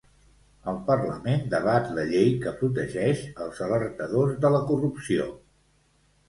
El parlament debat la llei que protegeix els alertadors de la corrupció.